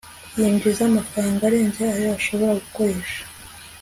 yinjiza amafaranga arenze ayo ashobora gukoresha